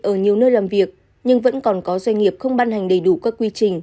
ở nhiều nơi làm việc nhưng vẫn còn có doanh nghiệp không ban hành đầy đủ các quy trình